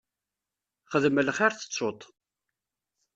Xdem lxir tettuḍ-t.